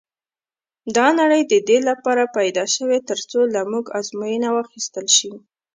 دا نړۍ د دې لپاره پيدا شوې تر څو له موږ ازموینه واخیستل شي.